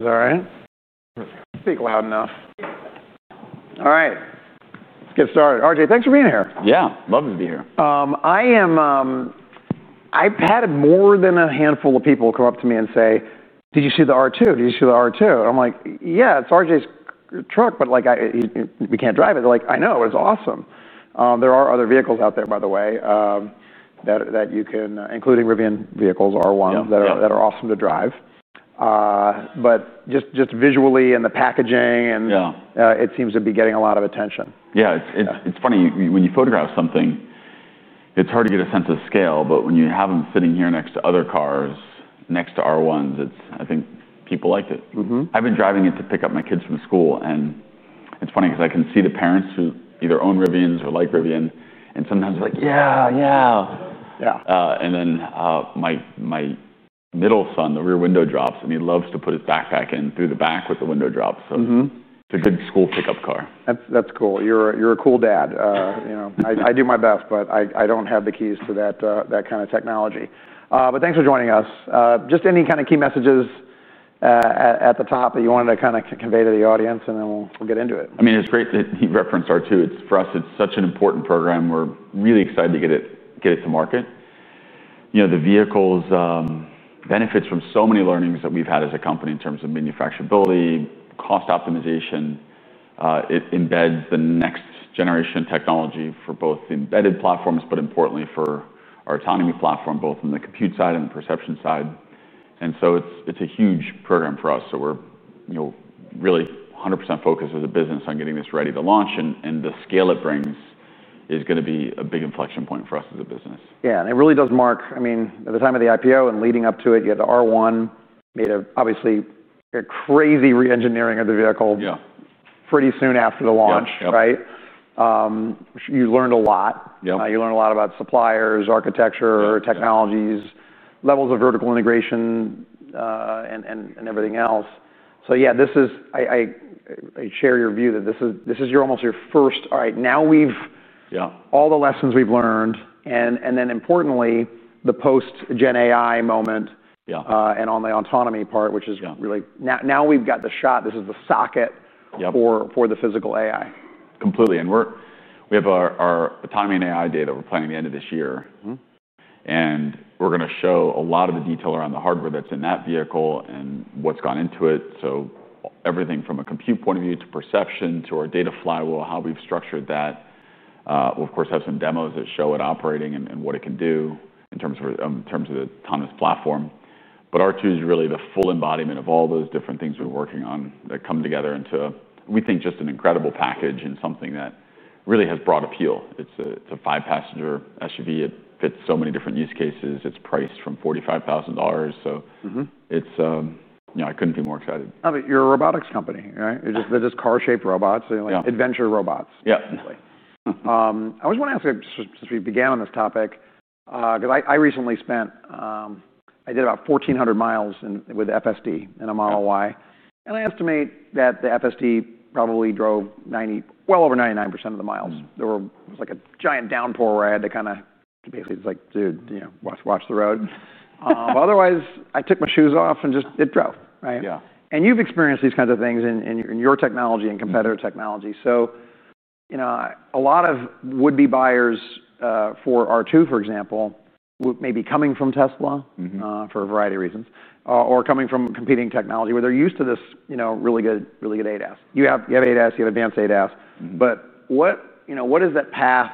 Is that right? Speak loud enough. All right. Let's get started. R.J., thanks for being here. Yeah, lovely to be here. I've had more than a handful of people come up to me and say, "Did you see the R2? Did you see the R2?" I'm like, "Yeah, it's R.J.'s truck, but like, we can't drive it." They're like, "I know, but it's awesome." There are other vehicles out there, by the way, that you can, including Rivian vehicles, R1, that are awesome to drive. Just visually and the packaging, it seems to be getting a lot of attention. Yeah, it's funny, when you photograph something, it's hard to get a sense of scale, but when you have them sitting here next to other cars, next to R1S, I think people liked it. I've been driving it to pick up my kids from school, and it's funny because I can see the parents who either own Rivian or like Rivian, and sometimes they're like, "Yeah, yeah." Yeah. My middle son, the rear window drops, and he loves to put his backpack in through the back with the window drop. It's a good school pickup car. That's cool. You're a cool dad. I do my best, but I don't have the keys to that kind of technology. Thanks for joining us. Any key messages at the top that you wanted to convey to the audience, and then we'll get into it. I mean, it's great that you referenced R2. For us, it's such an important program. We're really excited to get it to market. You know, the vehicle benefits from so many learnings that we've had as a company in terms of manufacturability, cost optimization. It embeds the next generation of technology for both the embedded platforms, but importantly for our autonomy platform, both on the compute side and the perception side. It's a huge program for us. We're really 100% focused as a business on getting this ready to launch, and the scale it brings is going to be a big inflection point for us as a business. Yeah, it really does mark, I mean, at the time of the IPO and leading up to it, you had the R1 made a, obviously, a crazy re-engineering of the vehicle. Yeah. Pretty soon after the launch, right? You learned a lot. Yep. You learned a lot about suppliers, architecture, technologies, levels of vertical integration, and everything else. I share your view that this is your, almost your first, all right, now we've, all the lessons we've learned, and then importantly, the post-gen AI moment, and on the autonomy part, which is really, now we've got the shot, this is the socket for the physical AI. Completely, and we have our autonomy and AI data we're planning the end of this year, and we're going to show a lot of the detail around the hardware that's in that vehicle and what's gone into it. Everything from a compute point of view to perception to our data flywheel, how we've structured that. We'll, of course, have some demos that show it operating and what it can do in terms of the autonomous platform. R2 is really the full embodiment of all those different things we're working on that come together into, we think, just an incredible package and something that really has broad appeal. It's a five-passenger SUV. It fits so many different use cases. It's priced from $45,000. I couldn't be more excited. I mean, you're a robotics company, right? They're just car-shaped robots, like adventure robots. Yeah. I always want to ask, since we began on this topic, because I recently spent, I did about 1,400 mi with FSD in a Model Y, and I estimate that the FSD probably drove well over 99% of the miles. There was a giant downpour where I had to basically, it's like, dude, you know, watch the road. Otherwise, I took my shoes off and just, it drove, right? Yeah. You've experienced these kinds of things in your technology and competitor technology. A lot of would-be buyers for R2, for example, may be coming from Tesla for a variety of reasons, or coming from competing technology where they're used to this really good, really good ADAS. You have ADAS, you have advanced ADAS, but what is that path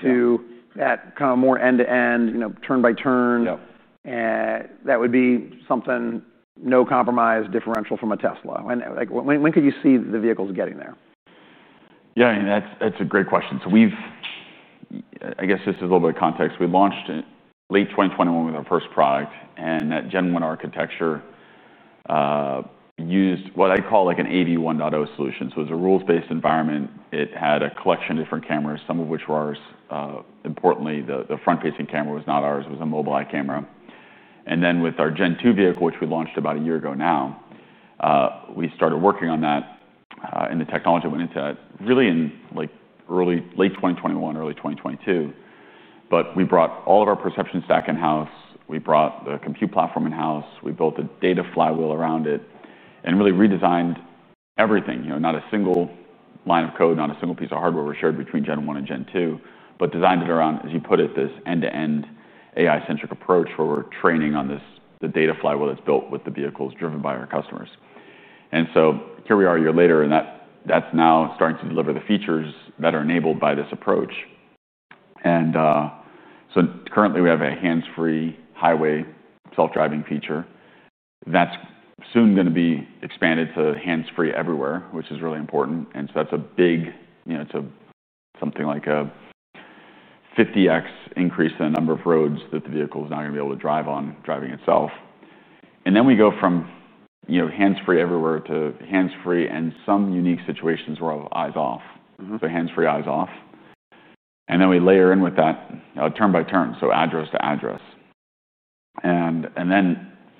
to that kind of more end-to-end, turn-by-turn? That would be something no compromise differential from a Tesla. When could you see the vehicles getting there? Yeah, I mean, that's a great question. We've, I guess just a little bit of context, we launched in late 2021 with our first product, and that Gen 1 architecture used what I'd call like an AV 1.0 solution. It was a rules-based environment. It had a collection of different cameras, some of which were ours. Importantly, the front-facing camera was not ours. It was a Mobileye camera. With our Gen 2 vehicle, which we launched about a year ago now, we started working on that, and the technology went into that really in late 2021, early 2022. We brought all of our perception stack in-house. We brought the compute platform in-house. We built a data flywheel around it and really redesigned everything. Not a single line of code, not a single piece of hardware was shared between Gen 1 and Gen 2, but designed it around, as you put it, this end-to-end AI-centric approach where we're training on this, the data flywheel that's built with the vehicles driven by our customers. Here we are a year later, and that's now starting to deliver the features that are enabled by this approach. Currently, we have a hands-free highway self-driving feature. That's soon going to be expanded to hands-free everywhere, which is really important. That's a big, you know, it's something like a 50x increase in the number of roads that the vehicle is now going to be able to drive on, driving itself. We go from hands-free everywhere to hands-free and some unique situations where I'll have eyes off. So hands-free, eyes off. We layer in with that turn-by-turn, so address to address.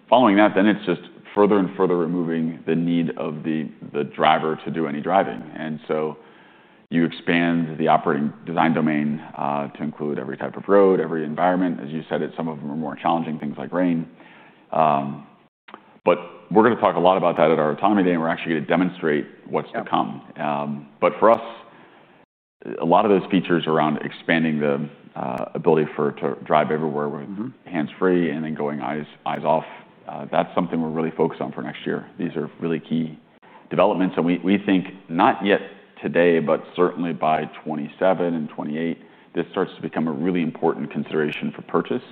Following that, then it's just further and further removing the need of the driver to do any driving. You expand the operating design domain to include every type of road, every environment. As you said, some of them are more challenging, things like rain. We're going to talk a lot about that at our Autonomy Day, and we're actually going to demonstrate what's to come. For us, a lot of those features around expanding the ability for it to drive everywhere with hands-free and then going eyes off, that's something we're really focused on for next year. These are really key developments, and we think not yet today, but certainly by 2027 and 2028, this starts to become a really important consideration for purchase.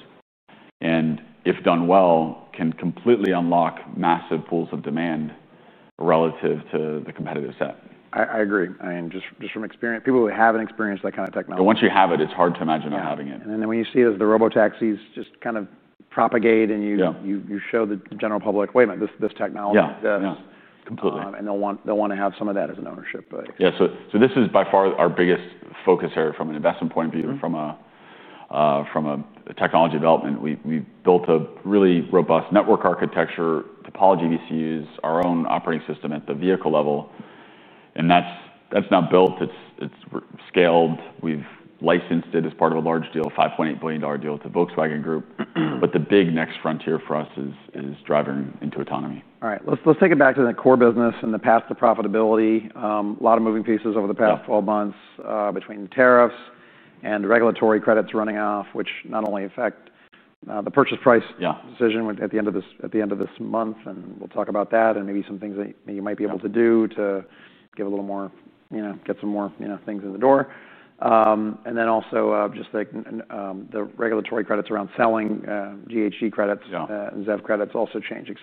If done well, it can completely unlock massive pools of demand relative to the competitive set. I agree. I mean, just from experience, people who haven't experienced that kind of technology. Once you have it, it's hard to imagine not having it. When you see it as the robotaxis just kind of propagate and you show the general public, wait a minute, this technology. Yeah, yeah, completely. They'll want to have some of that as an ownership. Yeah, this is by far our biggest focus area from an investment point of view, from a technology development. We've built a really robust network architecture topology, VCUs, our own operating system at the vehicle level. That's not built, it's scaled. We've licensed it as part of a large deal, a $5.8 billion deal to Volkswagen Group. The big next frontier for us is driving into autonomy. All right, let's take it back to the core business and the path to profitability. A lot of moving pieces over the past 12 months between tariffs and regulatory credits running off, which not only affect the purchase price decision at the end of this month, and we'll talk about that and maybe some things that you might be able to do to give a little more, you know, get some more things in the door. Also, just like the regulatory credits around selling greenhouse gas credits and zero-emission vehicle credits also changing.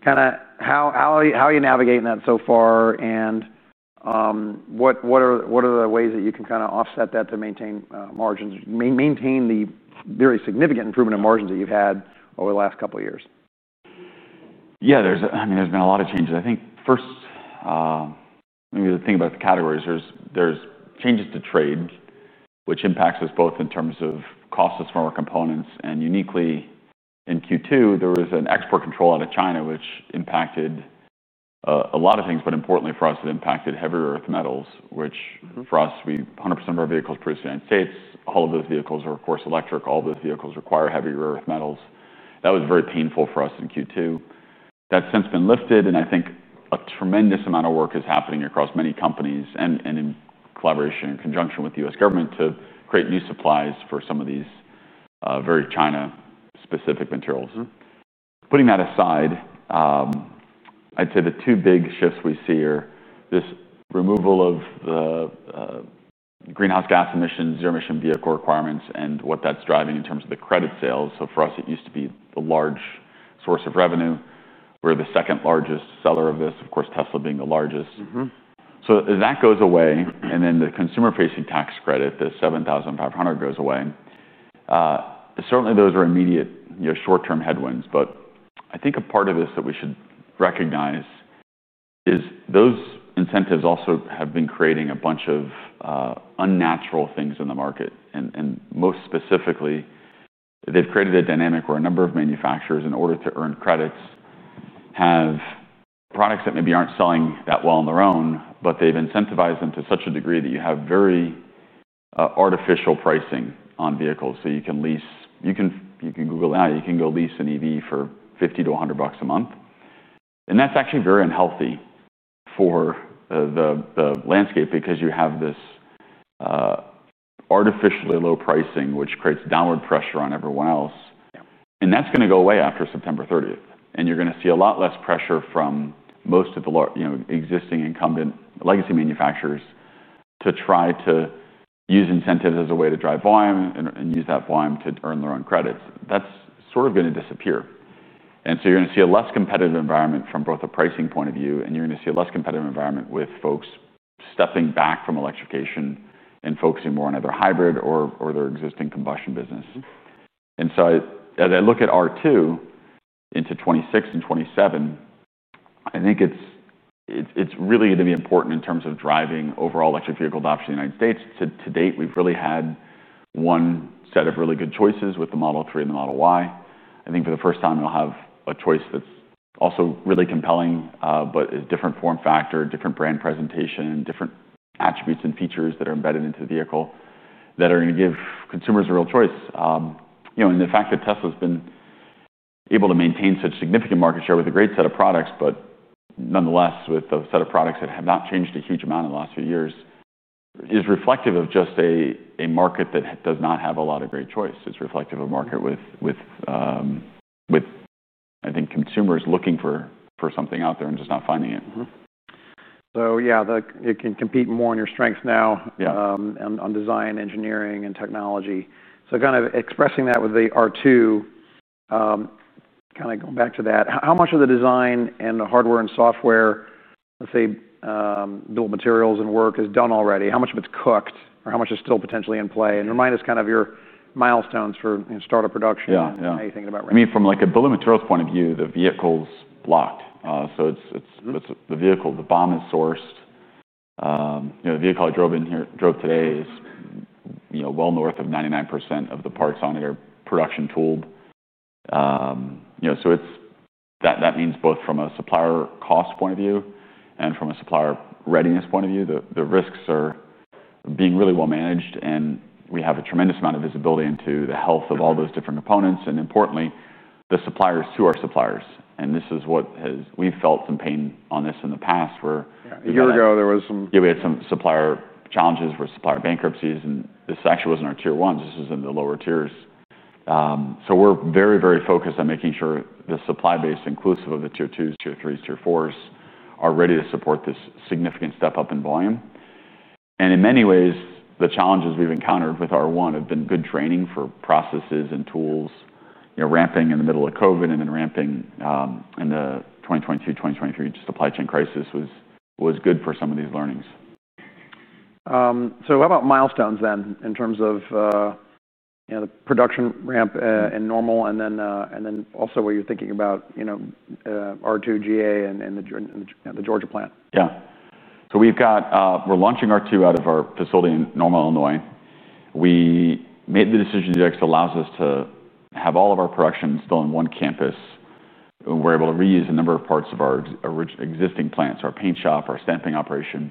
How are you navigating that so far and what are the ways that you can kind of offset that to maintain margins, maintain the very significant improvement in margins that you've had over the last couple of years? Yeah, I mean, there's been a lot of changes. I think first, maybe the thing about the categories, there's changes to trade, which impacts us both in terms of cost of smaller components. Uniquely in Q2, there was an export control out of China, which impacted a lot of things, but importantly for us, it impacted rare earth metals, which for us, 100% of our vehicles produced in the States. All of those vehicles are, of course, electric. All of those vehicles require rare earth metals. That was very painful for us in Q2. That's since been lifted, and I think a tremendous amount of work is happening across many companies and in collaboration and conjunction with the U.S. government to create new supplies for some of these very China-specific materials. Putting that aside, I'd say the two big shifts we see are this removal of the greenhouse gas, zero-emission vehicle requirements, and what that's driving in terms of the credit sales. For us, it used to be the large source of revenue. We're the second largest seller of this, of course, Tesla being the largest. As that goes away, and then the consumer tax credit, the $7,500 goes away, certainly those are immediate, short-term headwinds. I think a part of this that we should recognize is those incentives also have been creating a bunch of unnatural things in the market. Most specifically, they've created a dynamic where a number of manufacturers, in order to earn credits, have products that maybe aren't selling that well on their own, but they've incentivized them to such a degree that you have very artificial pricing on vehicles. You can lease, you can Google that, you can go lease an EV for $50-$100 a month. That's actually very unhealthy for the landscape because you have this artificially low pricing, which creates downward pressure on everyone else. That's going to go away after September 30th. You're going to see a lot less pressure from most of the existing incumbent legacy manufacturers to try to use incentives as a way to drive volume and use that volume to earn their own credits. That's sort of going to disappear. You're going to see a less competitive environment from both a pricing point of view, and you're going to see a less competitive environment with folks stepping back from electrification and focusing more on either hybrid or their existing combustion business. As I look at R2 into 2026 and 2027, I think it's really going to be important in terms of driving overall electric vehicle adoption in the United States. To date, we've really had one set of really good choices with the Model 3 and the Model Y. I think for the first time, you'll have a choice that's also really compelling, but is a different form factor, different brand presentation, different attributes and features that are embedded into the vehicle that are going to give consumers a real choice. The fact that Tesla's been able to maintain such significant market share with a great set of products, but nonetheless, with a set of products that have not changed a huge amount in the last few years, is reflective of just a market that does not have a lot of great choice. It's reflective of a market with, I think, consumers looking for something out there and just not finding it. It can compete more on your strengths now, yeah, and on design, engineering, and technology. Kind of expressing that with the R2, kind of going back to that, how much of the design and the hardware and software, let's say, dual materials and work is done already? How much of it's cooked? How much is still potentially in play? Remind us kind of your milestones for startup production. Yeah, yeah. How are you thinking about it? I mean, from like a building materials point of view, the vehicle's blocked. It's the vehicle, the BOM is sourced. The vehicle I drove in here today is well north of 99% of the parts on it are production tooled. That means both from a supplier cost point of view and from a supplier readiness point of view, the risks are being really well managed, and we have a tremendous amount of visibility into the health of all those different components, and importantly, the suppliers to our suppliers. This is what has, we've felt some pain on this in the past where. A year ago, there was some. We had some supplier challenges with supplier bankruptcies, and this actually wasn't our tier 1s. This was in the lower tiers. We're very, very focused on making sure the supply base, inclusive of the tier 2s, tier 3s, tier 4s, are ready to support this significant step up in volume. In many ways, the challenges we've encountered with R1 have been good training for processes and tools, ramping in the middle of COVID and then ramping in the 2022-2023 supply chain crisis was good for some of these learnings. What about milestones then in terms of the production ramp in Normal, and then also what you're thinking about, you know, R2 G.A. and the Georgia plant? Yeah. We've got, we're launching R2 out of our facility in Normal, Illinois. We made the decision to actually allow us to have all of our production still in one campus. We're able to reuse a number of parts of our existing plants, our paint shop, our stamping operation.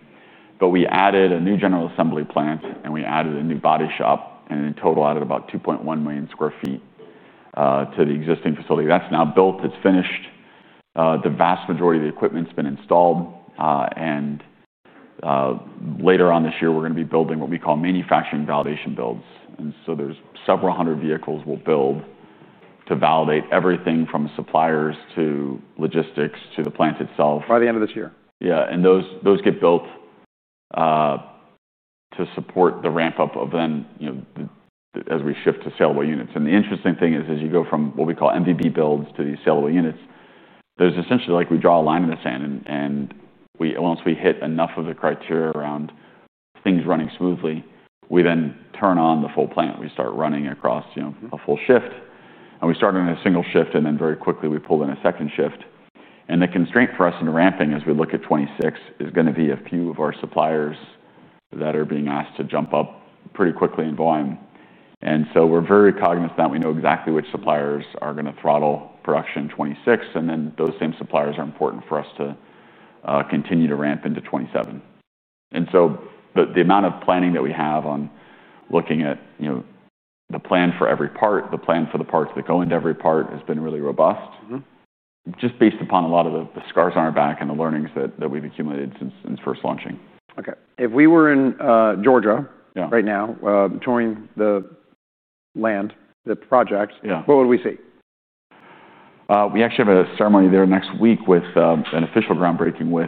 We added a new general assembly plant, and we added a new body shop, and in total, added about $2.1 million sq ft to the existing facility. That's now built, it's finished. The vast majority of the equipment's been installed, and later on this year, we're going to be building what we call manufacturing validation builds. There's several hundred vehicles we'll build to validate everything from suppliers to logistics to the plant itself. By the end of this year? Yeah, and those get built to support the ramp-up of then, you know, as we shift to saleable units. The interesting thing is, as you go from what we call MVP builds to these saleable units, there's essentially like we draw a line in the sand, and once we hit enough of the criteria around things running smoothly, we then turn on the full plant. We start running across a full shift. We started in a single shift, and then very quickly, we pulled in a second shift. The constraint for us in ramping, as we look at 2026, is going to be a few of our suppliers that are being asked to jump up pretty quickly in volume. We are very cognizant that we know exactly which suppliers are going to throttle production in 2026, and those same suppliers are important for us to continue to ramp into 2027. The amount of planning that we have on looking at the plan for every part, the plan for the parts that go into every part, has been really robust, just based upon a lot of the scars on our back and the learnings that we've accumulated since first launching. Okay. If we were in Georgia right now, touring the land, the project, what would we see? We actually have a ceremony there next week with an official groundbreaking with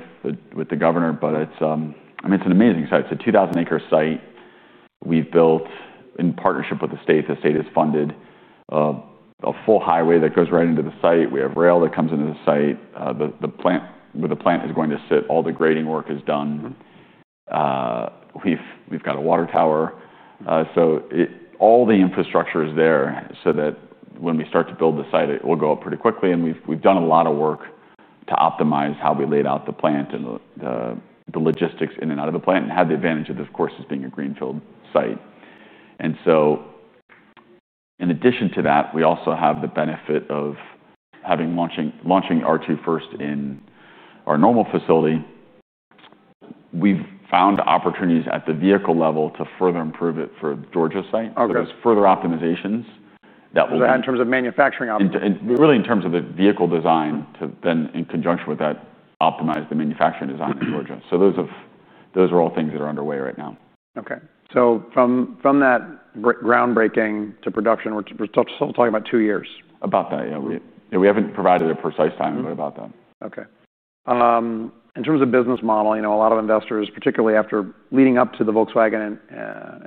the governor. It's an amazing site. It's a 2,000-acres site we've built in partnership with the state. The state has funded a full highway that goes right into the site, and we have rail that comes into the site. The plant where the plant is going to sit, all the grading work is done. We've got a water tower, so all the infrastructure is there so that when we start to build the site, it will go up pretty quickly. We've done a lot of work to optimize how we laid out the plant and the logistics in and out of the plant and have the advantage of this, of course, being a greenfield site. In addition to that, we also have the benefit of launching R2 first in our Normal facility. We've found opportunities at the vehicle level to further improve it for the Georgia site. Oh, really? There are further optimizations that will be. In terms of manufacturing options? Really in terms of the vehicle design to then, in conjunction with that, optimize the manufacturing design in Georgia. Those are all things that are underway right now. Okay. From that groundbreaking to production, we're still talking about two years. About that, yeah. We haven't provided a precise time, but about that. Okay. In terms of business model, you know, a lot of investors, particularly after leading up to the Volkswagen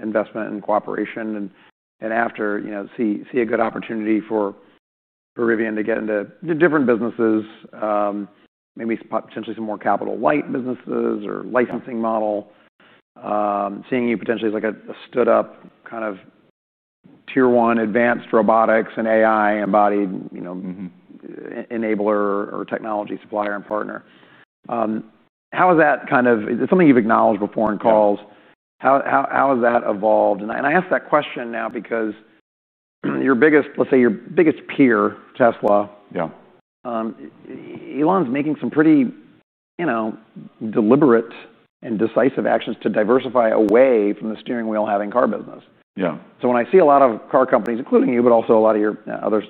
investment and cooperation, and after, you know, see a good opportunity for Rivian to get into different businesses, maybe potentially some more capital light businesses or licensing model, seeing you potentially as like a stood-up kind of tier 1 advanced robotics and AI embodied, you know, enabler or technology supplier and partner. How has that kind of, it's something you've acknowledged before in calls, how has that evolved? I ask that question now because your biggest, let's say your biggest peer, Tesla, Elon's making some pretty, you know, deliberate and decisive actions to diversify away from the steering wheel having car business. Yeah. When I see a lot of car companies, including you, but also a lot of your other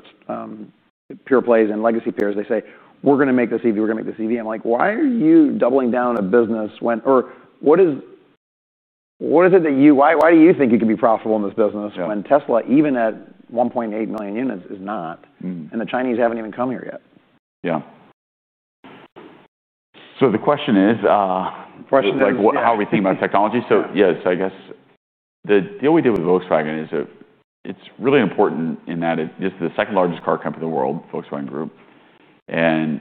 pure plays and legacy peers, they say, "We're going to make this EV, we're going to make this EV." I'm like, "Why are you doubling down a business when, or what is it that you, why do you think it could be profitable in this business when Tesla, even at 1.8 million units, is not? The Chinese haven't even come here yet. Yeah. The question is, like how are we thinking about technology? The deal we did with Volkswagen is really important in that it is the second largest car company in the world. Volkswagen Group is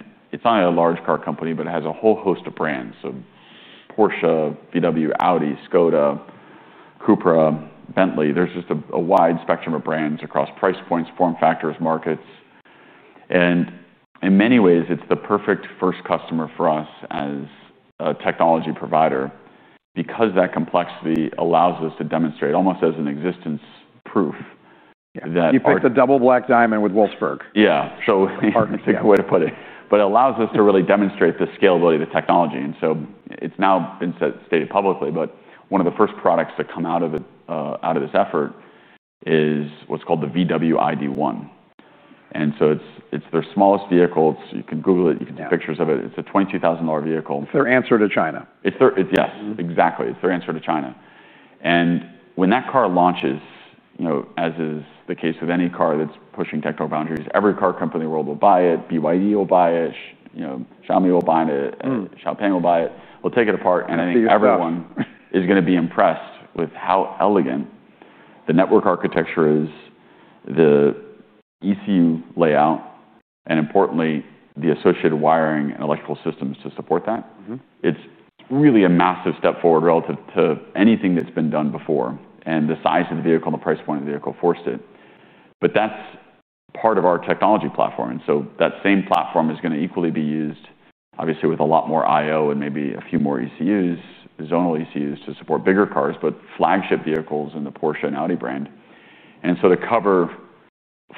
not a large car company, but it has a whole host of brands. Porsche, BMW, Audi, Škoda, CUPRA, Bentley, there's just a wide spectrum of brands across price points, form factors, markets. In many ways, it's the perfect first customer for us as a technology provider because that complexity allows us to demonstrate almost as an existence proof. You picked a double black diamond with Wolfsburg. Yeah, it's hard to think of a way to put it. It allows us to really demonstrate the scalability of the technology. It's now been stated publicly, but one of the first products to come out of this effort is what's called the VW ID.1. It's their smallest vehicle. You can Google it. You can take pictures of it. It's a $22,000 vehicle. It's their answer to China. Yeah, exactly. It's their answer to China. When that car launches, you know, as is the case with any car that's pushing techno boundaries, every car company in the world will buy it. BYD will buy it. You know, Xiaomi will buy it. Xiaopeng will buy it. We'll take it apart. I think everyone is going to be impressed with how elegant the network architecture is, the ECU layout, and importantly, the associated wiring and electrical systems to support that. It's really a massive step forward relative to anything that's been done before. The size of the vehicle and the price point of the vehicle forced it. That's part of our technology platform. That same platform is going to equally be used, obviously, with a lot more IO and maybe a few more ECUs, zonal ECUs to support bigger cars, but flagship vehicles in the Porsche and Audi brand. To cover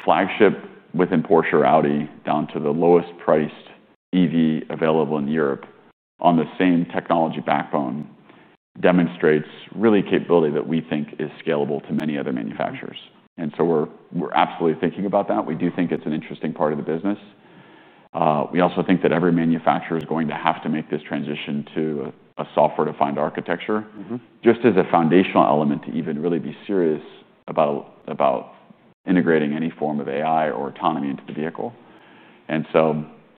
flagship within Porsche or Audi down to the lowest priced EV available in Europe on the same technology backbone demonstrates capability that we think is scalable to many other manufacturers. We're absolutely thinking about that. We do think it's an interesting part of the business. We also think that every manufacturer is going to have to make this transition to a software-defined architecture just as a foundational element to even really be serious about integrating any form of AI or autonomy into the vehicle.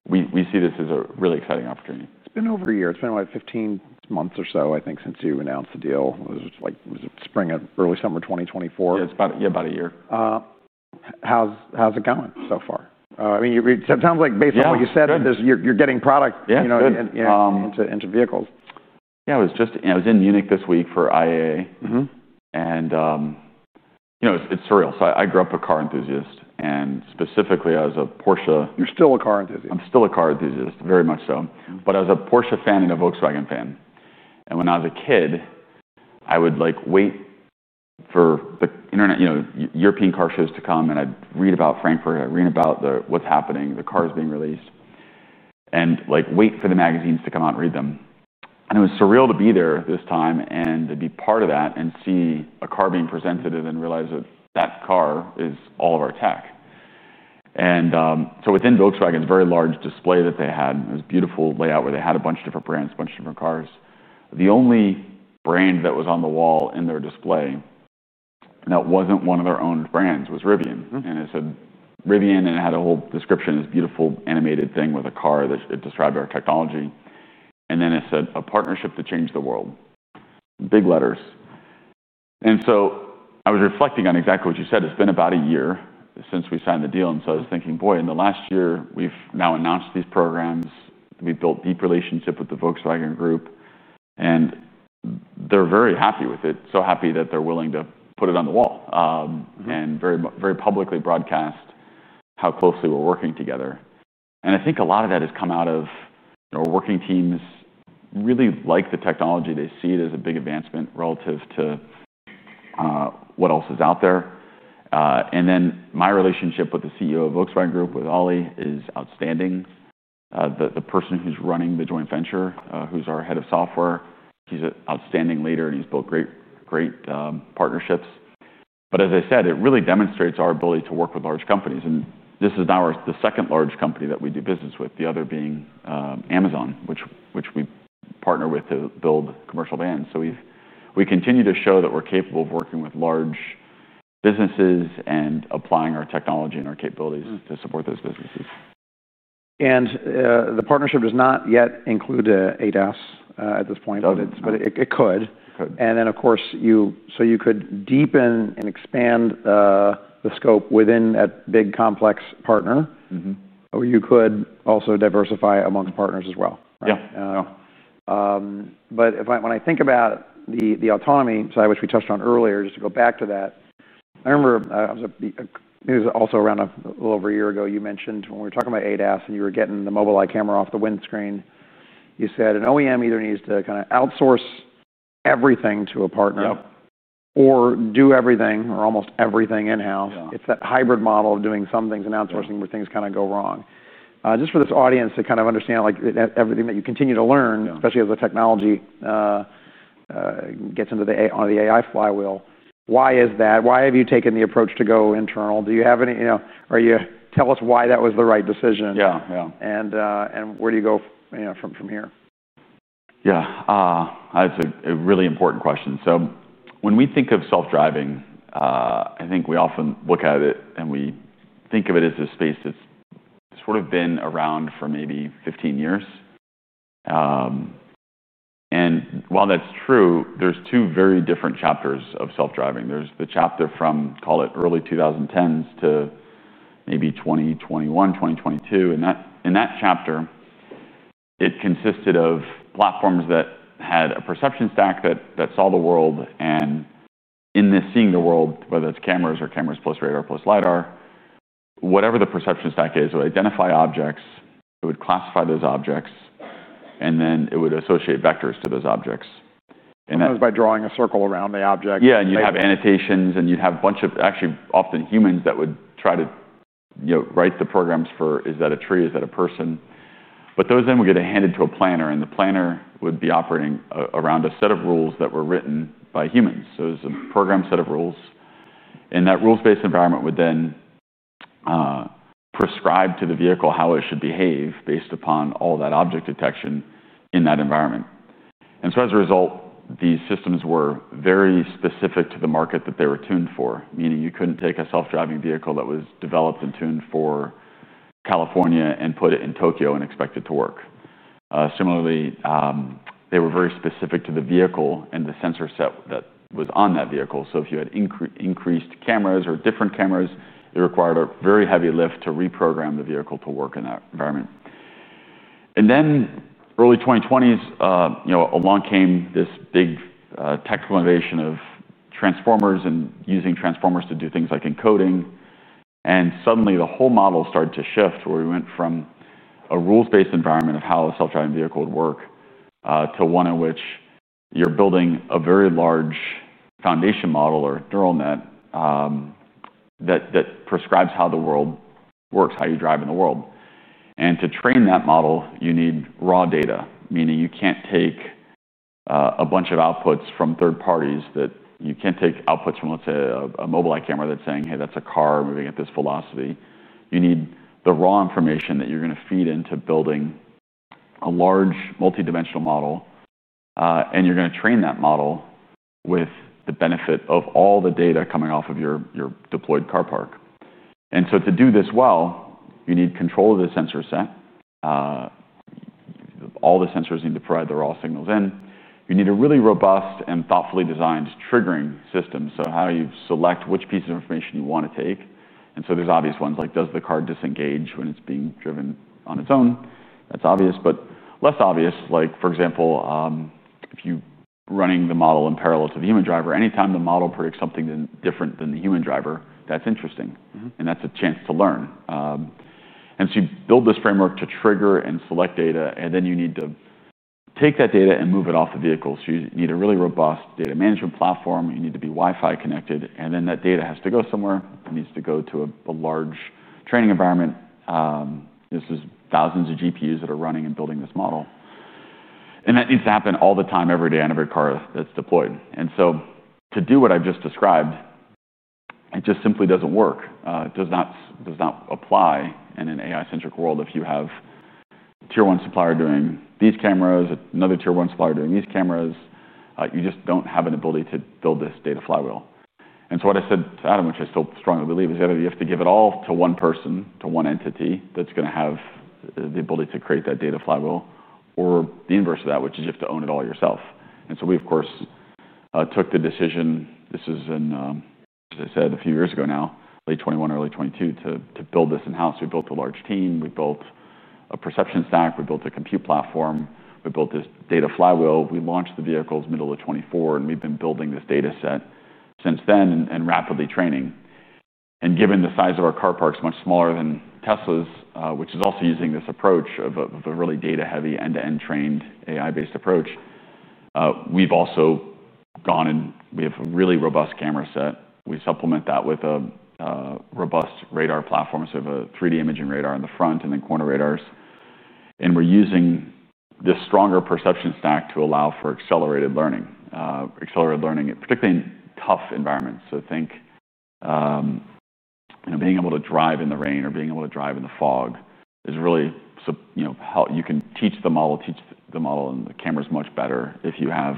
We see this as a really exciting opportunity. It's been over a year. It's been about 15 months or so, I think, since you announced the deal. It was like spring or early summer 2024. Yeah, it's about a year. How's it going so far? I mean, it sounds like based on what you said, you're getting product into vehicles. Yeah, I was just in Munich this week for IAA. It's surreal. I grew up a car enthusiast. Specifically, I was a Porsche. You're still a car enthusiast. I'm still a car enthusiast, very much so. I was a Porsche fan and a Volkswagen fan. When I was a kid, I would wait for the internet, you know, European car shows to come, and I'd read about Frankfurt. I'd read about what's happening, the cars being released, and wait for the magazines to come out and read them. It was surreal to be there this time and to be part of that and see a car being presented and then realize that that car is all of our tech. Within Volkswagen, it was a very large display that they had. It was a beautiful layout where they had a bunch of different brands, a bunch of different cars. The only brand that was on the wall in their display, and that wasn't one of their own brands, was Rivian. It said Rivian, and it had a whole description, this beautiful animated thing with a car that described our technology. It said a partnership to change the world. Big letters. I was reflecting on exactly what you said. It's been about a year since we signed the deal. I was thinking, boy, in the last year, we've now announced these programs. We've built a deep relationship with the Volkswagen Group. They're very happy with it, so happy that they're willing to put it on the wall and very publicly broadcast how closely we're working together. I think a lot of that has come out of our working teams really like the technology. They see it as a big advancement relative to what else is out there. My relationship with the CEO of Volkswagen Group, with Oli, is outstanding. The person who's running the joint venture, who's our Head of Software, he's an outstanding leader, and he's built great partnerships. As I said, it really demonstrates our ability to work with large companies. This is now the second large company that we do business with, the other being Amazon, which we partner with to build commercial vans. We continue to show that we're capable of working with large businesses and applying our technology and our capabilities to support those businesses. The partnership does not yet include ADAS at this point, but it could. You could deepen and expand the scope within that big complex partner, or you could also diversify amongst partners as well. Yeah. When I think about the autonomy side, which we touched on earlier, just to go back to that, I remember it was also around a little over a year ago, you mentioned when we were talking about ADAS and you were getting the Mobileye camera off the windscreen, you said an OEM either needs to outsource everything to a partner or do everything or almost everything in-house. It's that hybrid model of doing some things and outsourcing where things kind of go wrong. For this audience to understand, like everything that you continue to learn, especially as the technology gets into the AI flywheel, why is that? Why have you taken the approach to go internal? Do you have any, you know, are you, tell us why that was the right decision? Yeah, yeah. Where do you go, you know, from here? Yeah, that's a really important question. When we think of self-driving, I think we often look at it and we think of it as a space that's sort of been around for maybe 15 years. While that's true, there are two very different chapters of self-driving. There's the chapter from, call it, early 2010s to maybe 2021, 2022. In that chapter, it consisted of platforms that had a perception stack that saw the world. In this seeing the world, whether it's cameras or cameras plus radar plus LiDAR, whatever the perception stack is, it would identify objects, it would classify those objects, and then it would associate vectors to those objects. That was by drawing a circle around the object. Yeah, and you'd have annotations and you'd have a bunch of, actually, often humans that would try to, you know, write the programs for, is that a tree, is that a person? Those then would get handed to a planner and the planner would be operating around a set of rules that were written by humans. It was a programmed set of rules. That rules-based environment would then prescribe to the vehicle how it should behave based upon all that object detection in that environment. As a result, these systems were very specific to the market that they were tuned for, meaning you couldn't take a self-driving vehicle that was developed and tuned for California and put it in Tokyo and expect it to work. Similarly, they were very specific to the vehicle and the sensor set that was on that vehicle. If you had increased cameras or different cameras, it required a very heavy lift to reprogram the vehicle to work in that environment. In the early 2020s, along came this big technical innovation of transformers and using transformers to do things like encoding. Suddenly, the whole model started to shift where we went from a rules-based environment of how a self-driving vehicle would work to one in which you're building a very large foundation model or neural net that prescribes how the world works, how you drive in the world. To train that model, you need raw data, meaning you can't take a bunch of outputs from third parties, you can't take outputs from, let's say, a Mobileye camera that's saying, "Hey, that's a car moving at this velocity." You need the raw information that you're going to feed into building a large multi-dimensional model, and you're going to train that model with the benefit of all the data coming off of your deployed car park. To do this well, you need control of the sensor set. All the sensors need to provide the raw signals in. You need a really robust and thoughtfully designed triggering system. How do you select which piece of information you want to take? There are obvious ones like does the car disengage when it's being driven on its own, that's obvious, but less obvious, like for example, if you're running the model in parallel to the human driver, anytime the model predicts something different than the human driver, that's interesting. That's a chance to learn. You build this framework to trigger and select data, and then you need to take that data and move it off the vehicle. You need a really robust data management platform. You need to be Wi-Fi connected, and then that data has to go somewhere. It needs to go to a large training environment. This is thousands of GPUs that are running and building this model. That needs to happen all the time, every day on every car that's deployed. To do what I've just described, it just simply doesn't work. It does not apply in an AI-centric world if you have a tier 1 supplier doing these cameras, another tier 1 supplier doing these cameras. You just don't have an ability to build this data flywheel. What I said to Adam, which I still strongly believe, is that you have to give it all to one person, to one entity that's going to have the ability to create that data flywheel, or the inverse of that, which is you have to own it all yourself. We, of course, took the decision. This is in, as I said, a few years ago now, late 2021, early 2022, to build this in-house. We built a large team. We built a perception stack. We built a compute platform. We built this data flywheel. We launched the vehicles middle of 2024, and we've been building this data set since then and rapidly training. Given the size of our car parks, much smaller than Tesla's, which is also using this approach of a really data-heavy, end-to-end trained AI-based approach, we've also gone and we have a really robust camera set. We supplement that with a robust radar platform. We have a 3D imaging radar in the front and then corner radars. We're using this stronger perception stack to allow for accelerated learning, particularly in tough environments. Think, you know, being able to drive in the rain or being able to drive in the fog is really, you know, you can teach the model, teach the model, and the camera's much better if you have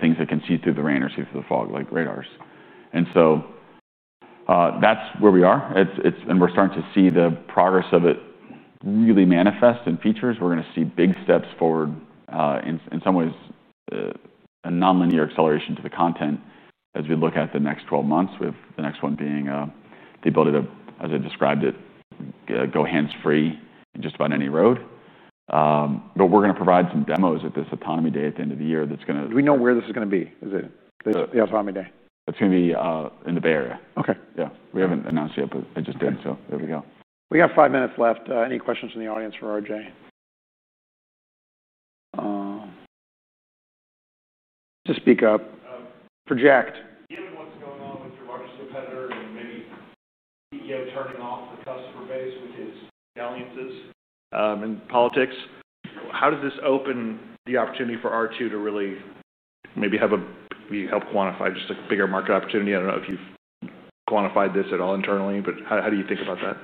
things that can see through the rain or see through the fog, like radars. That's where we are. We're starting to see the progress of it really manifest in features. We're going to see big steps forward in some ways, a non-linear acceleration to the content as we look at the next 12 months, with the next one being the ability to, as I described it, go hands-free in just about any road. We're going to provide some demos at this Autonomy Day at the end of the year that's going to. We know where this is going to be, is it the Autonomy Day? It's going to be in the Bay Area. Okay. Yeah, we haven't announced it yet, but I just did, so there we go. We got five minutes left. Any questions from the audience for R.J.? Just speak up. Project. In what's going on with the largest defender and maybe EV charging off the customer base with these alliances and politics, how does this open the opportunity for R2 to really maybe have a, you help quantify just a bigger market opportunity? I don't know if you've quantified this at all internally, but how do you think about that?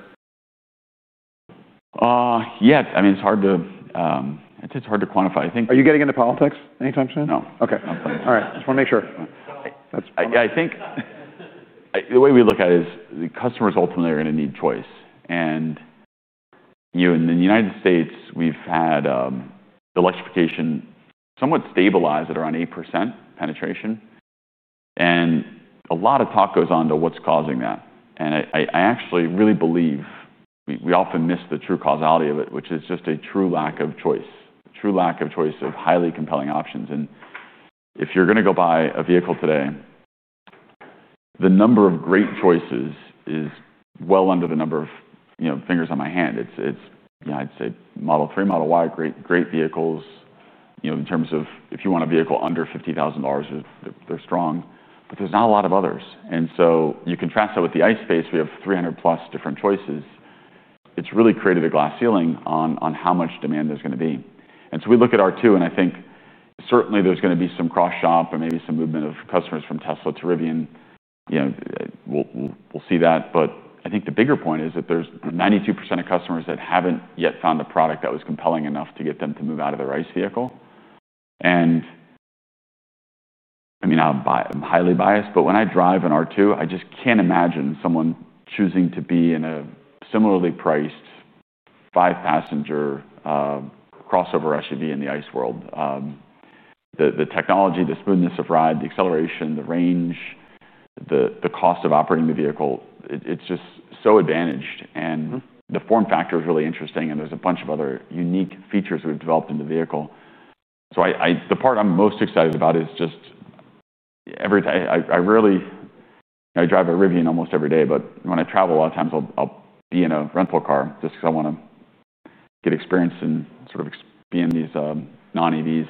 Yeah, I mean, it's hard to quantify. I think. Are you getting into politics anytime soon? No. Okay. I'm fine. All right, I just want to make sure. I think the way we look at it is the customers ultimately are going to need choice. In the U.S., we've had electrification somewhat stabilize at around 8% penetration. A lot of talk goes on to what's causing that. I actually really believe we often miss the true causality of it, which is just a true lack of choice, true lack of choice of highly compelling options. If you're going to go buy a vehicle today, the number of great choices is well under the number of, you know, fingers on my hand. It's, you know, I'd say Model 3, Model Y, great vehicles. In terms of if you want a vehicle under $50,000, they're strong, but there's not a lot of others. You contrast that with the ICE space. We have 300+ different choices. It's really created a glass ceiling on how much demand there's going to be. We look at R2, and I think certainly there's going to be some cross shop and maybe some movement of customers from Tesla to Rivian. We'll see that. I think the bigger point is that there's 92% of customers that haven't yet found a product that was compelling enough to get them to move out of their ICE vehicle. I mean, I'm highly biased, but when I drive an R2, I just can't imagine someone choosing to be in a similarly priced five-passenger crossover SUV in the ICE world. The technology, the smoothness of ride, the acceleration, the range, the cost of operating the vehicle, it's just so advantaged. The form factor is really interesting, and there's a bunch of other unique features we've developed in the vehicle. The part I'm most excited about is just everything. I rarely, you know, I drive a Rivian almost every day, but when I travel, a lot of times I'll be in a rental car just because I want to get experience and sort of expand these non-EVs.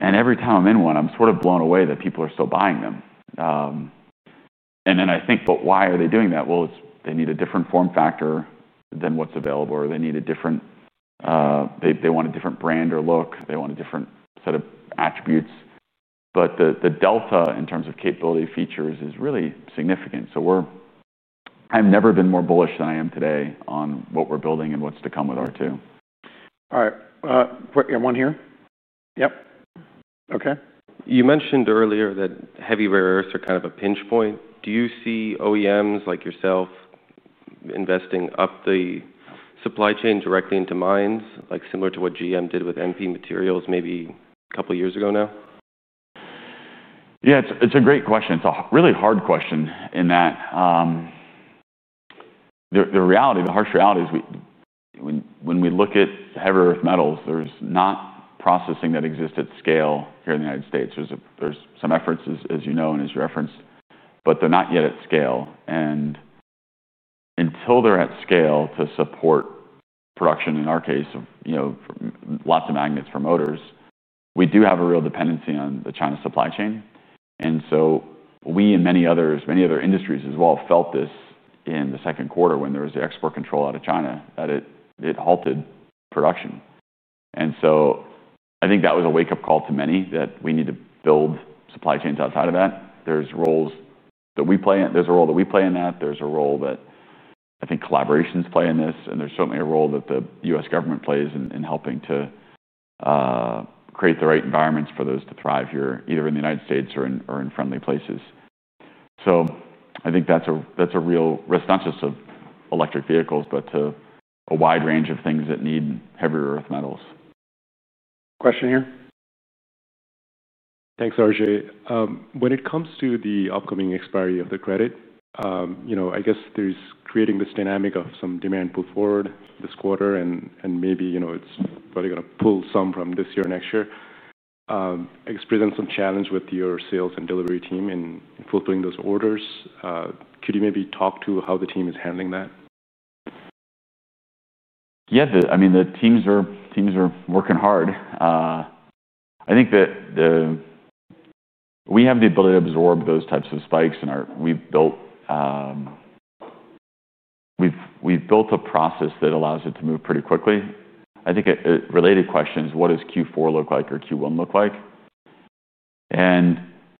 Every time I'm in one, I'm sort of blown away that people are still buying them. I think, but why are they doing that? They need a different form factor than what's available, or they need a different, they want a different brand or look. They want a different set of attributes. The delta in terms of capability features is really significant. I've never been more bullish than I am today on what we're building and what's to come with R2. All right. We got one here. Okay. You mentioned earlier that heavy rare earths are kind of a pinch point. Do you see OEMs like yourself investing up the supply chain directly into mines, like similar to what GM did with MP Materials maybe a couple of years ago now? Yeah, it's a great question. It's a really hard question in that the reality, the harsh reality is when we look at rare earth metals, there's not processing that exists at scale here in the U.S. There's some efforts, as you know and as you referenced, but they're not yet at scale. Until they're at scale to support production, in our case, you know, lots of magnets for motors, we do have a real dependency on the China supply chain. We and many others, many other industries as well, felt this in the second quarter when there was the export control out of China that halted production. I think that was a wake-up call to many that we need to build supply chains outside of that. There's a role that we play in that, there's a role that I think collaborations play in this, and there's certainly a role that the U.S. government plays in helping to create the right environments for those to thrive here, either in the United States or in friendly places. I think that's a real risk, not just of electric vehicles, but to a wide range of things that need heavy rare earth metals. Question here. Thanks, R.J. When it comes to the upcoming expiry of the credit, I guess there's creating this dynamic of some demand put forward this quarter, and maybe it's probably going to pull some from this year and next year. I guess present some challenge with your sales and delivery team in fulfilling those orders. Could you maybe talk to how the team is handling that? Yeah, I mean, the teams are working hard. I think that we have the ability to absorb those types of spikes, and we've built a process that allows it to move pretty quickly. I think a related question is, what does Q4 look like or Q1 look like?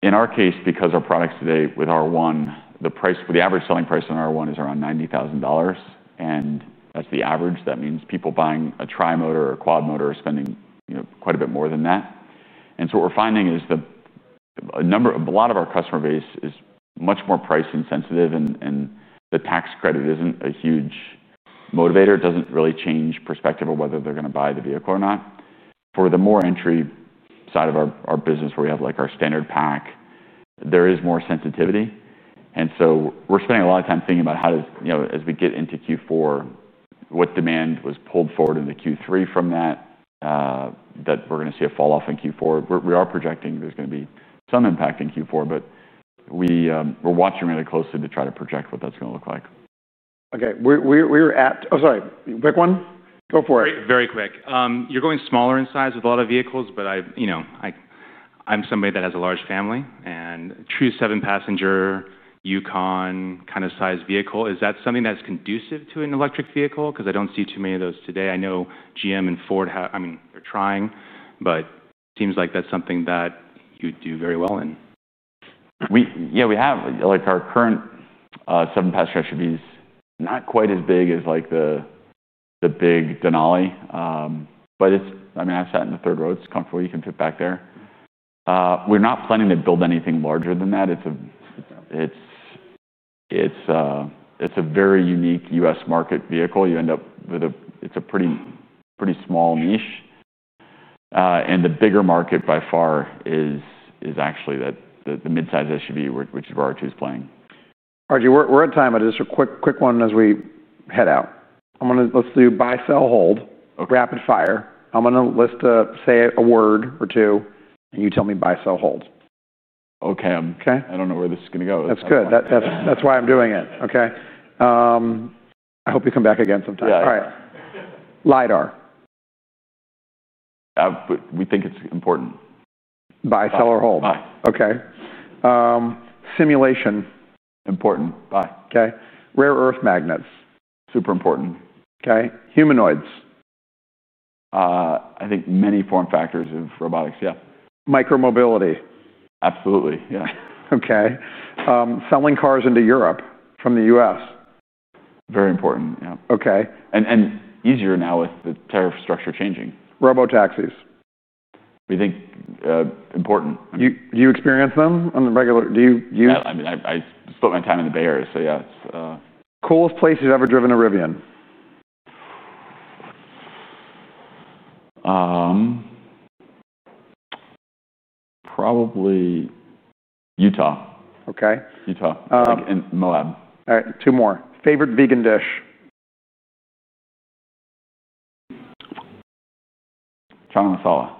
In our case, because our products today with R1, the price for the average selling price in R1 is around $90,000, and that's the average. That means people buying a tri-motor or a quad motor are spending quite a bit more than that. What we're finding is a number of a lot of our customer base is much more pricing sensitive, and the tax credit isn't a huge motivator. It doesn't really change the perspective of whether they're going to buy the vehicle or not. For the more entry side of our business, where we have like our standard pack, there is more sensitivity. We're spending a lot of time thinking about how to, you know, as we get into Q4, what demand was pulled forward in Q3 from that, that we're going to see a fall off in Q4. We are projecting there's going to be some impact in Q4, but we're watching really closely to try to project what that's going to look like. Okay, we were at, oh, sorry, quick one. Go for it. Very quick. You're going smaller in size with a lot of vehicles, but I, you know, I'm somebody that has a large family and a true seven-passenger Yukon kind of size vehicle. Is that something that's conducive to an electric vehicle? Because I don't see too many of those today. I know GM and Ford have, I mean, they're trying, but it seems like that's something that you do very well in. Yeah, we have like our current seven-passenger SUVs, not quite as big as like the big Denali, but it's, I mean, I've sat in the third row. It's comfortable. You can sit back there. We're not planning to build anything larger than that. It's a very unique U.S. market vehicle. You end up with a, it's a pretty small niche. The bigger market by far is actually the midsize SUV, which is where R2 is playing. R.J., we're at time, but just a quick one as we head out. I'm going to, let's do buy, sell, hold, rapid fire. I'm going to list, say a word or two, and you tell me buy, sell, hold. Okay, I don't know where this is going to go. That's good. That's why I'm doing it. Okay. I hope you come back again sometime. All right. LiDAR. We think it's important. Buy, sell, or hold. Buy. Okay. Simulation. Important. Buy. Okay. Rare earth magnets. Super important. Okay. Humanoids. I think many form factors of robotics. Micro-mobility. Absolutely. Yeah. Okay, selling cars into Europe from the U.S. Very important, yeah. Okay. It's easier now with the tariff structure changing. Robotaxis. We think it's important. Do you experience them on the regular? I mean, I split my time in the Bay Area, so yeah, it's... Coolest place you've ever driven a Rivian? Probably Utah. Okay. Utah and Moab. All right. Two more. Favorite vegan dish? Chow mein masala.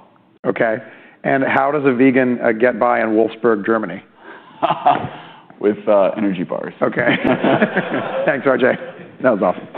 Okay. How does a vegan get by in Wolfsburg, Germany? With energy bars. Okay, thanks, R.J. That was off.